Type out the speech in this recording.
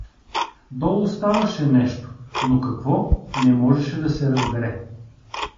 Долу ставаше нещо, но какво, не можеше да се разбере.